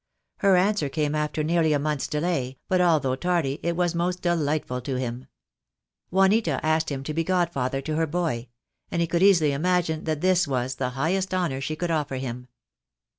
Her answer came after nearly a month's delay, but, although tardy, it was most delightful to him. Juanita asked him to be Godfather to her boy; and he could easily imagine that this was the highest honour she could offer him.